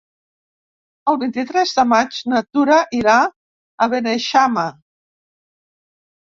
El vint-i-tres de maig na Tura irà a Beneixama.